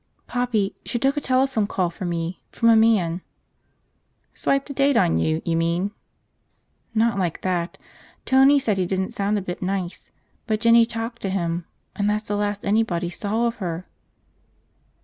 "Poppy, she took a telephone call for me. From a man." "Swiped a date on you, you mean?" "Not like that. Tony said he didn't sound a bit nice. But Jinny talked to him, and that's the last anybody saw of her."